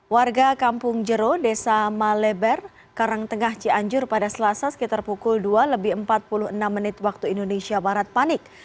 warga kampung jero desa maleber karangtengah cianjur pada selasa sekitar pukul dua lebih empat puluh enam menit waktu indonesia barat panik